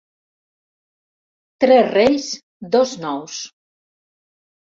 Tres reis, dos nous.